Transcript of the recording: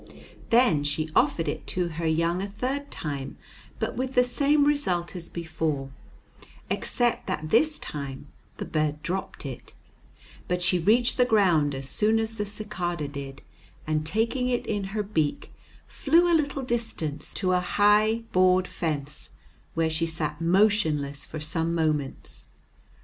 Then she offered it to her young a third time, but with the same result as before, except that this time the bird dropped it; but she reached the ground as soon as the cicada did, and taking it in her beak flew a little distance to a high board fence, where she sat motionless for some moments.